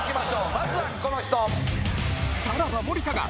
まずはこの人。